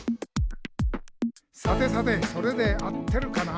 「さてさてそれで合ってるかな？」